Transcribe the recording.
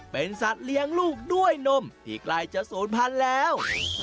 เป็นสัตว์เลี้ยงลูกด้วยนมที่ใกล้จะศูนย์พันธุ์แล้ว